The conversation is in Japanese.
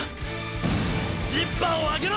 ジッパーを上げろ！！